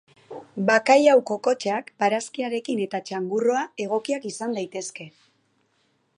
Bakailao kokotxak barazkiarekin eta txangurroa egokiak izan daitezke.